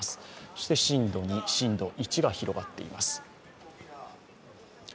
そして震度２、１と広がっています。